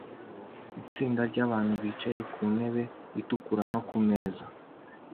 itsinda ryabantu bicaye ku ntebe itukura no kumeza